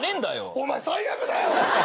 お前最悪だよ。